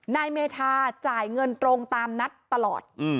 นายเมธาจ่ายเงินตรงตามนัดตลอด